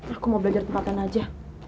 aku mau belajar tempatan aja